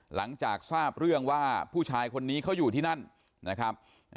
หลังจากทราบเรื่องว่าผู้ชายคนนี้เขาอยู่ที่นั่นนะครับ